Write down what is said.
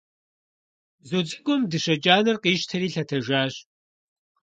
Бзу цӀыкӀум дыщэ кӀанэр къищтэри лъэтэжащ.